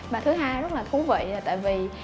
mà thứ hai rất là thú vị là tại vì ở đây